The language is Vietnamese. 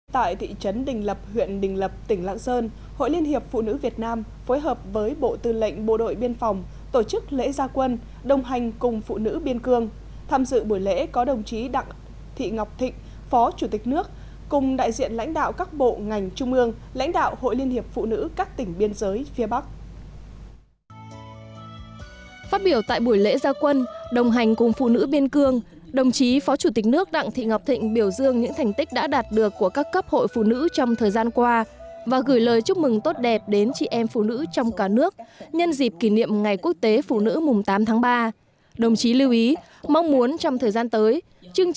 tại thị trấn đình lập huyện đình lập tỉnh lạng sơn hội liên hiệp phụ nữ việt nam phối hợp với bộ tư lệnh bộ đội biên phòng tổ chức lễ gia quân đồng hành cùng phụ nữ biên cương tham dự buổi lễ có đồng chí đặng thị ngọc thịnh phó chủ tịch nước cùng đại diện lãnh đạo các bộ ngành trung ương lãnh đạo hội liên hiệp phụ nữ các tỉnh biên giới phía bắc